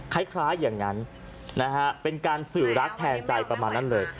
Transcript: คล้ายอย่างนั้นนะฮะเป็นการสื่อรักแทนใจประมาณนั้นเลย